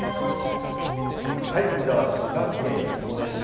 こちらは滋賀県彦根市。